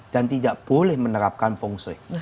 dan tidak boleh menerapkan feng shui